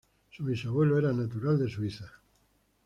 Su bisabuelo era natural de Suiza.